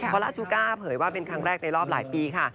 พอล่าชูก้าเผยว่าเป็นครั้งแรกในรอบหลายปีค่ะ